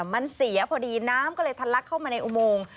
มันเสียพอดีน้ำก็เลยทันลักเข้ามาในอุโมง